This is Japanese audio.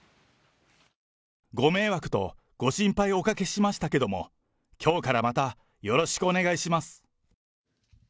ご迷惑とご心配をおかけしましたけども、きょうからまたよろしくお願いします。